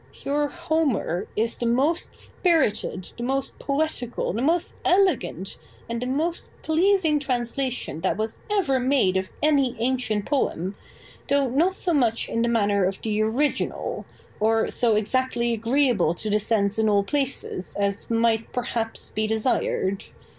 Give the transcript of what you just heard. Your "Homer" is the most spirited, the most poetical, the most elegant, and the most pleasing translation that ever was made of any ancient poem, though not so much in the manner of the original, or so exactly agreeable to the sense in all places, as might perhaps be desired.